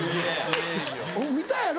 見たやろ？